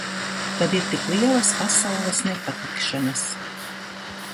Kad ir tik lielas pasaules nepatikšanas.